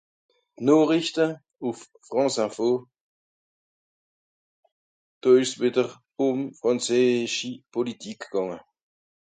Noochrichte ùf franceinfo. Do ìsch's wìdder ùm Frànzeeschi Politik gànga.